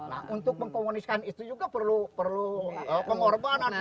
nah untuk mengkomunikasikan itu juga perlu pengorbanan